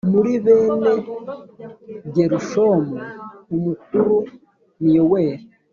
muri bene Gerushomu umukuru ni Yoweli